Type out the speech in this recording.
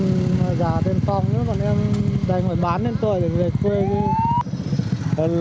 bọn em già tiền phòng nữa bọn em đành phải bán lên tuổi để về quê